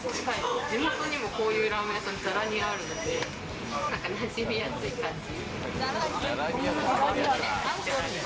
地元にもこういうラーメン屋さん、ざらにあるので、なじみやすい感じ。